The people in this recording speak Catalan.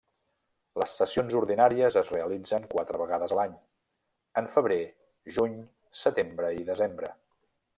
Les sessions ordinàries es realitzen quatre vegades a l'any: en febrer, juny, setembre i desembre.